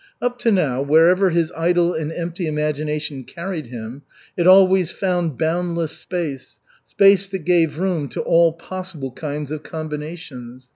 Up to now, wherever his idle and empty imagination carried him, it always found boundless space, space that gave room to all possible kinds of combinations.